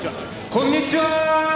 こんにちは！」